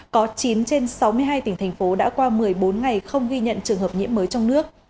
có chín trên sáu mươi hai tỉnh thành phố đã qua một mươi bốn ngày không ghi nhận trường hợp nhiễm mới trong nước